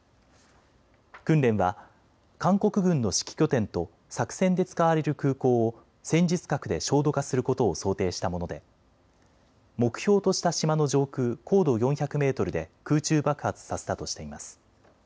訓練は韓国軍の指揮拠点と作戦で使われる空港を戦術核で焦土化することを想定したもので、目標とした島の上空、高度４００メートルで空中爆発させたとしています。